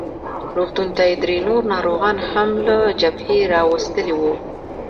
روغتون ته یې درې نور ناروغان هم له جبهې راوستلي وو.